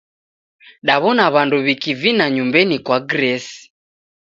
Daw'ona w'andu w'ikivina nyumbenyi kwa Grace.